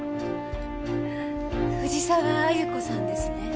藤沢亜由子さんですね？